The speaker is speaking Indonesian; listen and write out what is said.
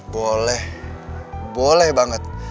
boleh boleh banget